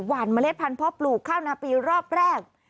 หวานเมล็ดพันธุ์ปลูกข้าวนาปีรอบแรก